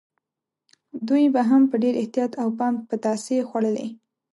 دوی به هم په ډېر احتیاط او پام پتاسې خوړلې.